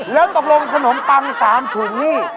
แล้วตกลงขนมปัง๓ถุงนี่